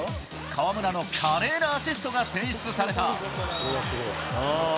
河村の華麗なアシストが選出された。